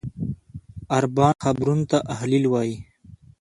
عربان حبرون ته الخلیل وایي.